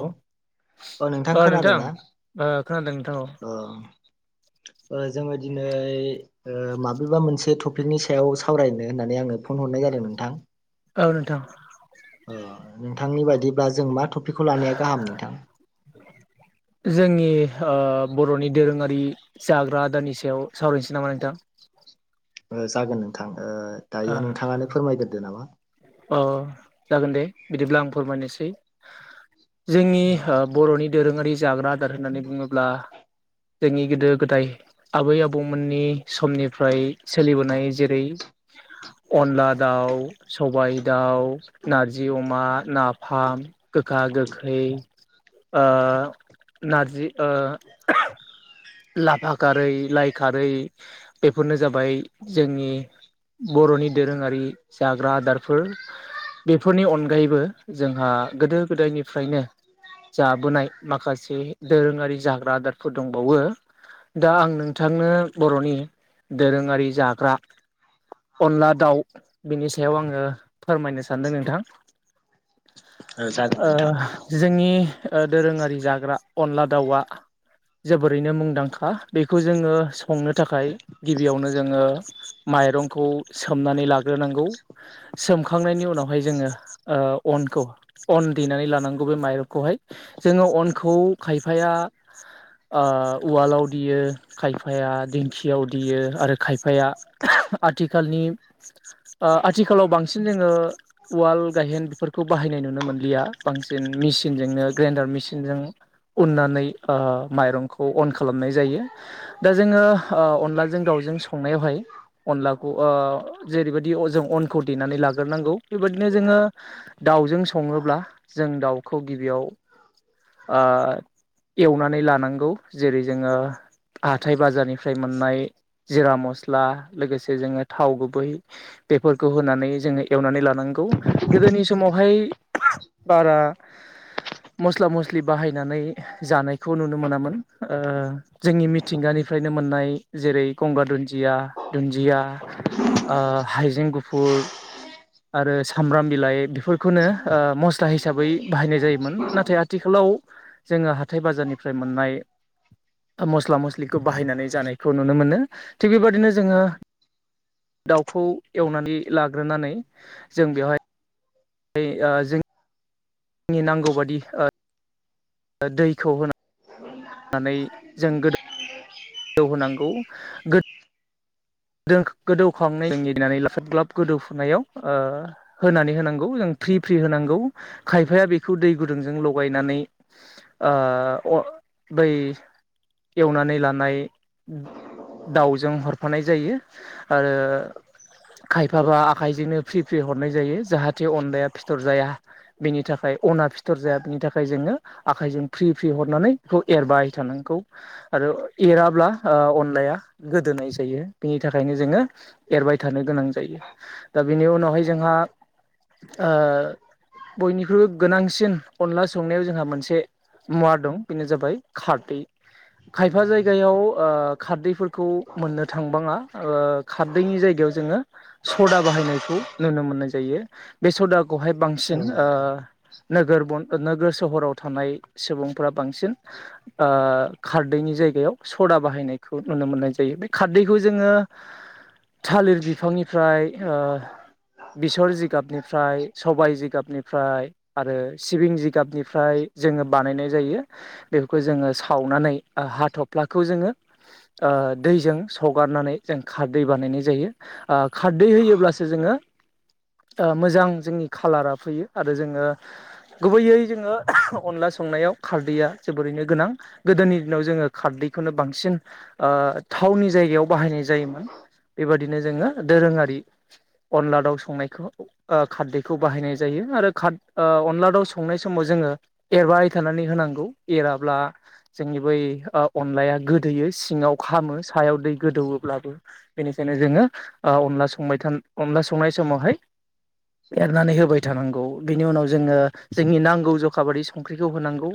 Hello औ नोंथां खोनादों ना ओ खोनादों नोंथां औ ओ। ओ जोङो दिनै ओ माबेबा मोनसे थ फिखनि सायाव सावरायनो होननानै आंङो फन हरनाय जादों नोंथां। [unintelligible] ओ नोंथांनि बायदिब्ला जों मा थ खौ लानाया गाहाम नोंथां? जोंनि ओ बर'नि दोरोङारि जाग्रा आदारानि सायाव सावरायनोसै नामा नोंथां? ओ जागोन नोंथां ओ दायो नोंथाङानो फोरमायग्रोदो नामा। अ जागोन दे बिदिब्ला आं फोरमायनोसै। जोंनि ओ बर'नि दोरोङारि जाग्रा आदार होननानै बुङोब्ला जोंनि गोदो गोदाय आबै आबौमोननि समनि ओमफ्राय सोलिबोनाय जेरै [unintelligible] अनला दाउ, सबाइ दाउ, नारजि अमा, नाफाम गोखा गोखै, ओ नारजि ओ लाफा खारै लाइ खारै बेफोरनो जाबाय जोंनि बर'नि दोरोङारि जाग्रा आदारफोर बेफोरनि अनगायैबो जोंहा गोदो गोदायनिफ्रायनो जाबोनाय माखासे दोरोङारि जाग्रा आदार। फोर दंबावो। दा आं नोंथांनो बर'नि दोरोङारि जाग्रा। अनला दाउ बिनि सायाव आङो फोरमायनो सानदों नोंथां। औ जागोन ओ नोंथां जोंनि ओ दोरोङारि जाग्रा अनला दाउआ जोबोरैनो मुंदांखा बेखौ जोङो संनो थाखाय गिबियावनो जोङो माइरं खौ सोमनानै लाग्रोनांगौ सोमखांनायनि उनावहाय जोङो ओ अनखौ अन देनानै लानांगौ बे माइरंखौहाय जोङो अनखौ खायफाया ओ उवालाव देयो खायफाया दिंखियाव देयो आरो खायफाया आथिखालनि ओ आथिखालाव बांसिन जोङो उवाल गाहेनफोरखौ बाहायनाय नुनो मोनलिया, बांसिन मेसिनजोंनो ग्रेन्डार मेसिनजों उननानै ओ माइरंखौ अन खालामनाय जायो। दा जोङो अनलाजों दाउ जों संनायावहाय अनलाखौ ओ जेरैबायदि ओ जों अनखौ देनानै लाग्रोनांगौ बेबायदिनो जोङो दाउ जों सङोब्ला जों दाउखौ गिबियाव ओ एवनानै लानांगौ जेरै जोङो हाथाय बाजारनिफ्राय मोननाय जिरा मस्ला लोगोसे जोङो थाव गुबै बेफोरखौ होनानै जोङो एवनानै लानांगौ। गोदोनि समाव बेहाय बारा मस्ला मस्लि बाहायनानै जानायखौ नुनो मोनामोन ओ जोंनि मिथिंगानि फ्रायनो मोननाय जेरै गंगार दुन्दिया दुन्दिया ओ हाइजें गुफुर आरो सामब्राम बिलाइ फोरखौनो ओ मस्ला हिसाबै बाहायनाय जायोमोन। नाथाय आथिखालाव जोङो हाथाय बाजारनिफ्राय मोननाय मस्ला मस्लिखौ बाहायनानै जानायखौ नुनो मोनो। थिग बेबायदिनो जोङो दाउखौ एवनानै लाग्रोनानै जों बेवहाय ओइ ओ जों नि नांगौ बादि ओ दैखौ हो नानै जों [unintelligible] होनांगौ गो [unintelligible] गोदौखांनाय जों [inaudible] ग्लब गोदौफुनायाव ओ होनानै होनांगौ जों फ्रि फ्रि होनांगौ खायफाया बेखौ दै गुदुंजों लगायनानै ओ अ बै एवनानै लानाय दाउजों हरफानाय जायो आरो खायफाबा आखाइजोंनो फ्रि फ्रि हरनाय जायो जाहाथे अनलाया फिथर जाया बेनि थाखाय, अना फिथर जाया बिनि थाखाय जोङो आखाइजों फ्रि फ्रि हरनानै इखौ एरबाय थानां गौ आरो एराब्ला ओ अनलाया गोदोनाय जायो। बिनि थाखायनो जोङो एरबाय थानो गोनां जायो। दा बेनि उनावहाय जोंहा ओ बयनिख्रुइबो गोनांसिन अनला संनायाव जोंहा मोनसे मुवा दं बेनो जाबाय खारदै खायफा जायगायाव ओ खारदैफोर खौ मोननो थां बाङा, ओ खारदैनि जायगायाव जोङो सदा बाहायनायखौ नुनो मोननाय जायो। बे सदा खौहाय औ बांसिन ओ नोंथां नोगोर बन नोगोर सहराव थानाय सुबुंफ्रा बांसिन ओ खारदैनि जायगायाव सदा बाहायनायखौ नुनो मोननाय जायो। बे खार दैखौ जोङो थालिर बिफांनिफ्राय ओ बिसर जिगाबनिफ्राय, सबाय जिगाबनिफ्राय आरो सिबिं जिगाबनिफ्राय जोङो बानायनाय जायो। बेफोरखौ जोङो सावनानै ओ हाथ'फ्लाखौ जोङो ओ दैजों सगारनानै जों खारदै बानायनाय जायो। ओ खारदै होयोब्लासो जोङो ओ मोजां जोंनि खालारा फैयो आरो जोङो गुबैयै जोङो अनला संनायाव खारदैया जोबोरैनो गोनां। गोदोनि दिनाव जोङो खारदै खौनो बांसिन ओ थावनि जायगायाव बाहायनाय जायोमोन। बेबादिनो जोङो दोरोङारि अनला दाउ संनायखौ ओ खारदैखौ बाहायनाय जायो आरो खार ओ अनला दाउ संनाय समाव जोङो एरबाय थानानै होनांगौ, एराब्ला जोंनि बै ओ अनलाया गोदोयो सिङाव खामो सायाव दै गोदौवोब्लाबो। बेनिखायनो जोङो ओ अनला संबाय थान अनला संनाय समावहाय एरनानै होबाय थानां गौ। बिनि उनाव जोङो जोंनि नांगौ ज'खा बादि संख्रिखौ होनांगौ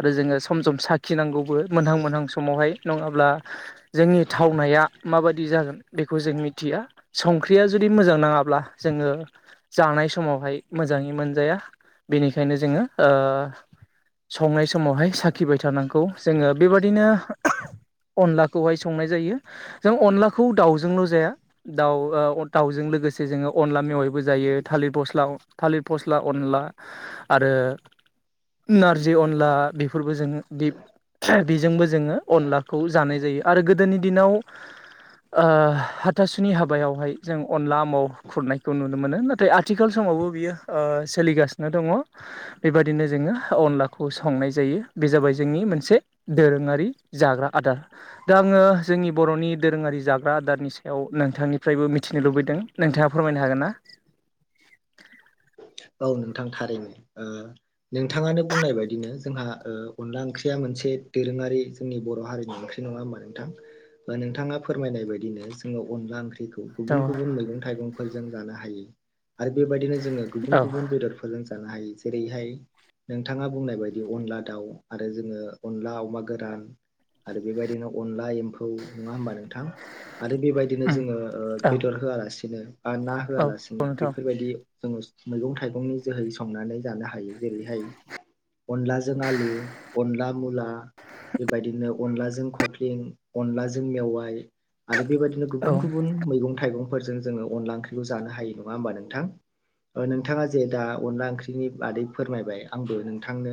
आरो जोङो सम सम साखि नांगौबो मोनहां मोनहां समावहाय नङाब्ला जोंनि थावनाया माबादि जागोन बेखौ जों मिथिया संख्रिया जुदि मोजां नाङा ब्ला जोङो जानाय समावहाय मोजाङै मोनजाया बेनिखायनो जोङो ओ संनाय समावहाय साखिबाय थानांगौ। जोङो बेबादिनो अनला खौहाय संनाय जायो। जों अनलाखौ दाउजोंल' जाया दाउ ओ दाउजों लोगोसे जोङो अनला मेवायबो जायो। थालिर फस्ला थालिर फस्ला अनला आरो नारजि अनला बेफोरबो जोंङो बिब बिजोंबो जोङो अनलाखौ जानाय जायो। आरो गोदोनि दिनाव ओ हाथासुनि हाबायावहाय जों अनला म खुरनायखौ नुनो मोनो नाथाय आथिखाल सम फावबो बियो ओ सोलिगासिनो दङ । [inaudible] बेबायदिनो जोङो अनलाखौ संनाय जायो बे जाबाय जोंनि मोनसे दोरोङारि जाग्रा । आदार । दा आङो जोंनि बर'नि दोरोङारि जाग्रा आदारनि सायाव नोंथांनिफ्रायबो मिथिनो लुबैदों नोंथाङा फोरमा फैनो हागोन ना? [inaudible] औ नोंथां थारैनो ओ नोंथाङानो बुंनाय बायदिनो जोंहा ओ अनला ओंख्रिया मोनसे दोरोङारि जोंनि बर' हारिनि ओंख्रि नङा होमबा नोंथां? नोंथाङा फोरमायनाय बायदिनो जोङो अनला ओंख्रि गुब औ - गुबुन मैं थाइगंफोरजों जानो हायो आरो बेबायदि गुबुन - औ गुबुन बेदरफोरजों जानो हायो जेरैहाय नोंथाङा बुंनाय बायदि अनला दाउ आरो जोङो अनला अमा गोरान आरो बेबायदिनो अनला एम्फौ नङा होनोमबा नों थां आरो बेबायदिनो उम जोङो ओ औ बेदर होआलासिनो ना औ औ होआलासिनो नोंथां बेफोरबायदि जोङो मैगं थाइगंनि जोहै संनानै जानो हायो । जेरैहाय अनलाजों आलु अनला मुला बेबायदिनो अनलाजों खख्लिं अनलाजों मेवाइ आरो बेबायदिनो औ गुबुन गुबुन मैगं थाइगं । फोरजों जोङो अनला ओंख्रिखौ जानो हायो नङा होमबा नोंथां? नोंथाङा जे दा अनला ओंख्रिनि बादै फोरमायबाय आंबो नोंथांनो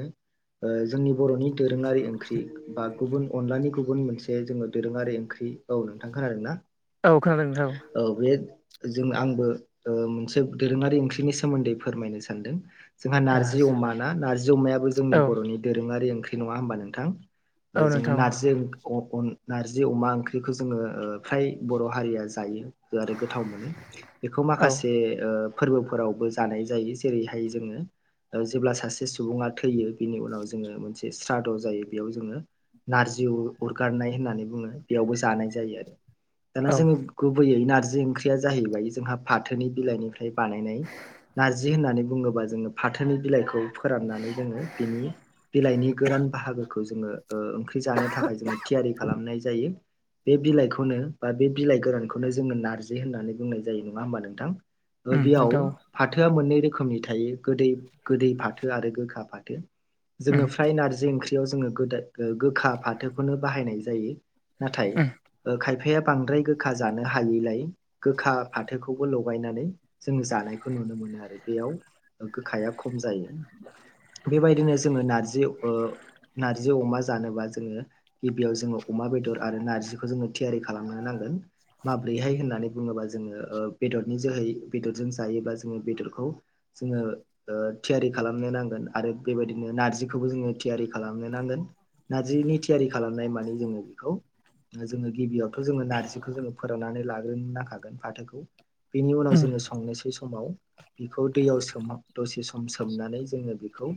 ओ जोंनि बर'नि दोरोङारि ओंख्रि बा गुबुन अनलानि गुबुन मोनसे जोङो दोरोङारि ओंख्रि औ नोंथां खोनादों ना? औ खोनादों नोंथां औ । बे जों आंबो ओ मोनसे दोरोङारि ओंख्रिनि सोमोन्दै फोरमायनो सानदों । जोंहा नारजि अमा ना नारजि अमायाबो जोंनि औ बर'नि दोरोङारि ओंख्रि नङा होमबा नोंथां? ओ औ जोङो नोंथां नारजि अ - अन नारजि अमा ओंख्रिखौ जोङो ओ फ्राय बर' हारिया जायो । आरो गोथाव मोनो बेखौ औ माखासे ओ फोरबोफोराव जानाय जायो जेरैहाय जोङो ओ जेब्ला सासे सुबुङा थैयो बेनि उनाव जोङो मोनसे स्राद' जायो बेयाव जोङो नारजि उ अरगारनाय होननानै बुङो बेयावबो जानाय जायो । दाना औ जोङो गुबैयै नारजि ओंख्रिया जाहैबाय जोंहा फाथोनि बिलाइनिफ्राय बानायनाय । नारजि होननानै बुङोबा जोङो फाथोनि बिलाइखौ फोराननानै जोङो बिनि बिलाइनि गोरान बाहागोखौ जोङो ओ ओंख्रि जानो थाखाय जोङो थियारि खालामनाय जायो । बे बिलाइखौनो बा बे बिलाइ गोरानखौनो जोङो नारजि होननानै बुंनाय जायो । नङा होमबा नोंथां? ओ उम बेयाव नोंथां औ फाथोआ मोननै रोखोमनि थायो गोदै - गोदै फाथो आरो गोखा फाथो । उम जोङो फ्राय नारजि ओंख्रियाव जोङो गोदाय गोखा फाथोखौनो बाहायनाय जायो । नाथाय उम खायफाया बांद्राय गोखा जानो हायैलाय गोखा फाथोखौबो लगायनानै जों जानाय नुनो मोनो आरो बेयाव गोखाया खम जायो । बेबायदिनो जोङो नारजि ओ नार्जि अमा जानोबा जोङो गिबियाव जोङो अमा बेदर आरो नार्जिखौ जोङो थियारि खालामनो नांगोन । माब्रैहाय होननानै बुङोबा जोङो ओ बेदरनि जोहै बेदरजों जायोब्ला जोङो बेदरखौ जोङो ओ थियारि खालामनो नांगोन आरो बेबायदिनो नारजिखौबो थियारि खालामनो नांगोन नारजिनि थियारि खालामनाय माने जोङो बेखौ जोङो गिबियावथ' जोङो नारजिखौ जोङो फोराननानै लाग्रोनो नांखागोन फाथोखौ । बिनि उनाव उम जोङो संनोसै समाव बेखौ दैयाव सोमहाब दसे सम सोमनानै जोङो बेखौ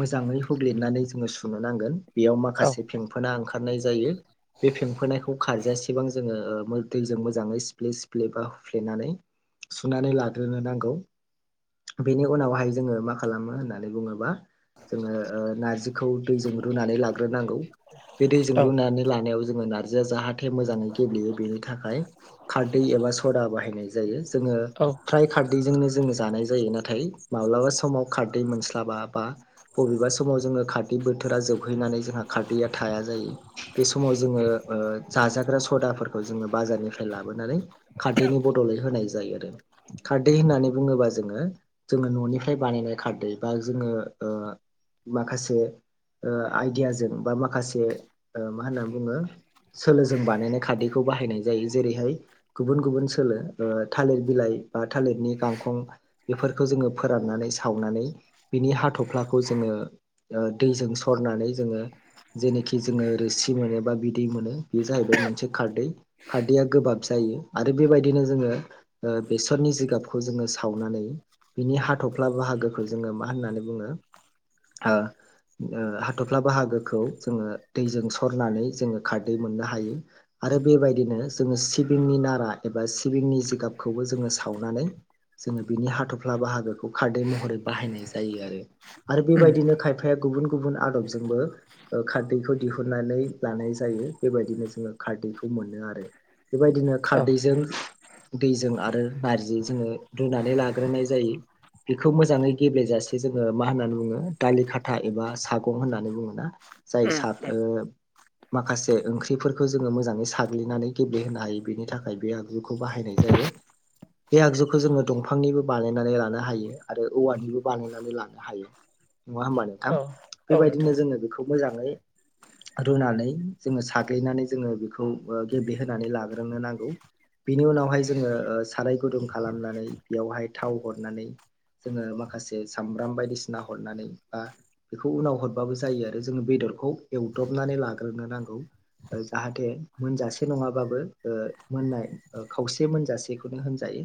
मोजाङै हुब्लिदनानै जोङो सुनो नांगोन बेयाव औ माखासे फेंफोना ओंखारनाय जायो बे फेंफोनायखौ खारजासेबां जोङो ओ मो दैजों मोजाङै सिफ्ले सिफ्ले बा हुफ्लेनानै सुनानै लाग्रोनो नांगौ बेनि उनावहाय जोङो मा खालामो होननानै बुङोबा जोङो ओ नारजिखौ दैजों रुनानै लाग्रोनांगौ बे दैजों औ रुनानै लानायाव जोङो नार जिआ जाहाथे मोजाङै गेब्लेयो बेनि थाखाय खारदै एबा सदा बाहायनाय जायो। जोङो औ फ्राय खारदैजोंनो जों जानाय जायो नाथाय माब्लाबा समाव खारदै मोनस्लाबा बा बबेबा समाव जोंङो खारदै बोथोरा जोबहैनानै जोंहा खारदैया थायाजायो बे समाव जोङो ओ जाजाग्रा सडाफो खौ जोंङो बाजारनिफ्राय लाबोनानै खारदैनि बदलै होनाय जायो खारदै होननानै बुङोबा जोङो जोङो न'निफ्राय बानायनाय खारदै बा जोङो ओ माखासे ओ आइडियाजों बा माखासे ओ मा होनना बुङो सोलोजों बानायनाय खारदैखौ बाहायनाय जायो जेरैहाय गुबुन-गुबुन सोलो ओ थालिर बिलाइ बा थालिरनि गां खं बेफोरखौ जोङो फोराननानै सावनानै बिनि हाथ'फ्लाखौ जोङो ओ दैजों सरनानै जोङो जेनेखि जोङो रोसि मोनो बा बिदै मोनो बेयो जाहैबाय मोनसे खारदै खारदैया गोबाब जा यो आरो बेबायदिनो जोङो ओ बेसरनि जिगाबखौ जोङो सावनानै बिनि हाथ'फ्ला बाहागोखौ जोङो मा होननानै बुङो ओ ओ हाथ'फ्ला बाहागोखौ जोङो दैजों सरनानै जोङो खारदै मोननो हायो आरो बेबायदिनो जोङो सिबिंनि नारा एबा सिबिंनि जिगाबखौबो जोङो सावनानै जोङो बिनि हाथ'फ्ला बाहागोखौ खारदै महरै बाहायनाय जायो आरो आरो उम बेबायदिनो खायफाया गुबुन-गुबुन आदबजोंबो खारदैखौ दिहुननानै लानाय जायो बेबायदिनो जोङो खार दैखौ मोनो आरो बेबायदिनो औ खारदैजों दैजों आरो नारजि जोङो रुनानै लाग्रोनाय जायो। बेखौ मोजाङै गेब्लेेजासे जोङो मा होननानै बुङो दालि खाथा एबा सागं होननानै बुङो ना। जाय सार ओ माखासे ओंख्रिफोरखौ जोङो मोजाङै साग्लिनानै गेब्लेहोनो हायो बेनि थाखाय बे आगजुखौ बाहायनाय जा यो बे आगजुखौ जोङो दंफांनिबो बानायनानै लानो हायो आरो औवानिबो बानायनानै लानो हायो। नङा होमबा नोंथां औ औ बेबायदिनो नोंथां जोङो बेखौ मोजाङै रुनानै जोङो साग्लिनानै जोङो बेखौ ओ गेब्लेहोनानै लाग्रोनो नांगौ बिनि उनावहाय जोङो साराय गुदुं खालामनानै बेयावहाय थाव हरनानै जोङो माखासे सामब्राम बायदिसिना हरनानै बा बेखौ उनाव हरबाबो जायो आरो जोङो बेदरखौ एवदबनानै लाग्रोनो नांगौ जाहाथे मोनजासे नङाबाबो ओ मोननाय खावसे मोनजासेखौनो होनजायो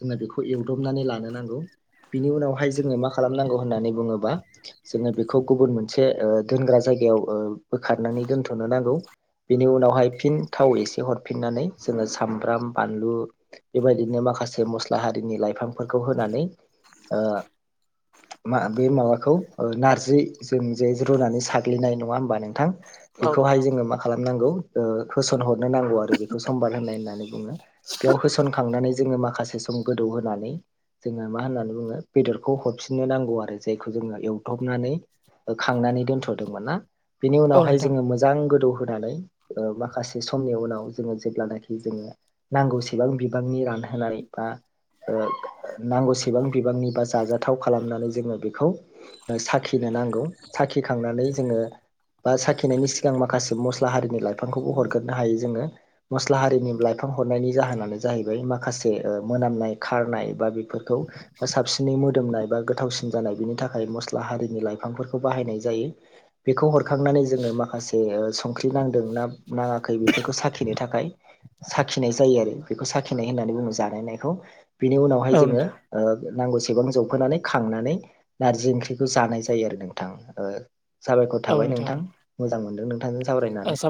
जोंना बेखौ एवदबनानै लानो नांगौ बिनि उनावहाय जोङो मा खालामनांगौ होननानै बुङोबा जोङो बेखौ गुबुन मोनसे ओ दोनग्रा जाय गायाव बोखारनानै दोनथ'नो नांगौ। बेनि उनावहाय फिन थाव एसे हरफिननानै जोङो सामब्राम बानलु बेबायदिनो मा माखासे मस्ला हारिनि लाइफांफोरखौ होनानै ओ मा बे माबाखौ नारजि जों जे रुनानै साग्लिनाय नङा होमबा नोंथां । औ बेखौहाय नोंथां जोङो मा खालामनांगौ । ओ होसन हरनो नांगौ आरो बेखौ समबार होननाय होननानै बुङो बेयाव होसनखांनानै जोङो माखासे सम गोदौहोनानै जोङो मा होननानै बुङो बेदरखौ हरफिननो नांगौ आरो जायखौ जोङो एवदबनानै खांनानै दोनथ'दोंमोनना, बिनि औ उनावहाय जोङो मोजां गोदौ होनानै ओ माखासे समनि उनाव जोङो जेब्लानाखि जोङो नांगौसेबां बिबांनि ला होनानै बा ओ नांगौसेबां बिबांनि बा जाजाथाव खालामनानै जोङो बेखौ साखि खिनो नांगौ। साखिखांनानै जोङो बा साखिनायनि सिगां माखासे मस्ला हारिनि लाइफांखौबो हरग्रोनो हायो जोङो। मस्ला हारिनि लाइफां हरनायनि जाहोनानो जाहैबाय माखासे ओ मोनामनाय खारनाय बा बेफोरखौ साबसिनै मोदोमनाय बा गोथावसिन जानाय बिनि थाखाय मस्ला हारिनि लाइफांफोरखौ बाहायनाय जायो। बेखौ हरखांनानै जोङो माखासे संख्रि नांदों ना नाङाखै बेफोरखौ साखिनो थाखाय साखिनाय जायो आरो। बेखौ साखिनाय होननानै बुङो जानायनाय। खौ। बेनि उनावहाय जोङो नोंथां ओ नांगौसेबां जौफोनानै खांनानै नारजि ओंख्रिखौ जानाय जायो आरो नोंथां। ओ साबायखर थाबाय नोंथां, मोजां मोनदों नोंथांजों साबायखर सावरायनानै